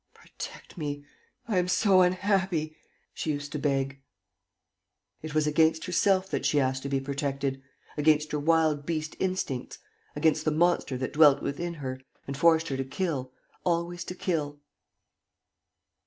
"Protect me. ... I am so unhappy!" she used to beg. It was against herself that she asked to be protected, against her wild beast instincts, against the monster that dwelt within her and forced her to kill, always to kill.